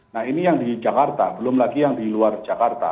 nah ini yang di jakarta belum lagi yang di luar jakarta